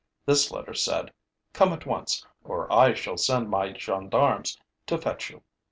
This letter said: 'Come at once, or I shall send my gendarmes to fetch you.'